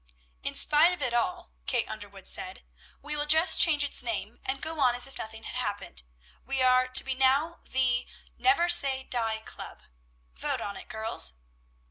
"In spite of it all," Kate Underwood said, "we will just change its name, and go on as if nothing had happened. We are to be now the 'Never Say Die Club.' Vote on it, girls."